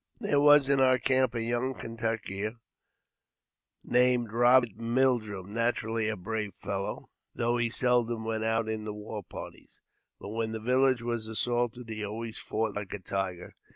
There was in our camp a young Kentuckian named Eoberi^ Mildrum, naturally a brave fellow, though he seldom went out in the war parties ; but when the village was assaulted, he always fought like a tiger.